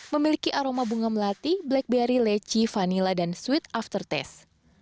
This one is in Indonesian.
memiliki aroma bunga melati blackberry leci vanilla dan sweet aftertaste